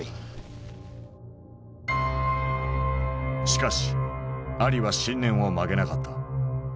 しかしアリは信念を曲げなかった。